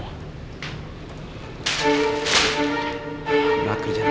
aku gak kerja